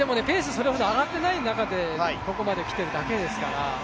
それほど上がってない中でここまで来てるだけですから。